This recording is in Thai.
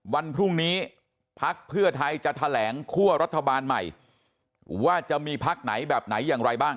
วันพรุ่งนี้พักเพื่อไทยจะแถลงคั่วรัฐบาลใหม่ว่าจะมีพักไหนแบบไหนอย่างไรบ้าง